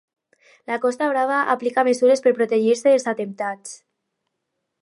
La Costa Brava aplica mesures per protegir-se dels atemptats.